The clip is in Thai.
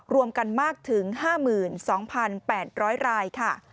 รวมกันมากถึง๕๒๘๐๐รายค่ะ